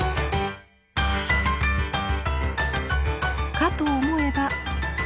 かと思えば。